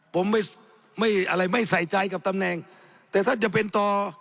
ผมไม่ไม่อะไรไม่ใส่ใจกับตำแหน่งแต่ท่านจะเป็นต่อ